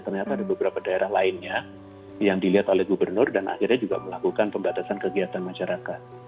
ternyata ada beberapa daerah lainnya yang dilihat oleh gubernur dan akhirnya juga melakukan pembatasan kegiatan masyarakat